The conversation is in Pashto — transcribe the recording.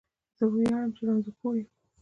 ویاړم چې رانځور پوه یم